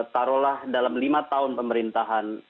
taruhlah dalam lima tahun pemerintahan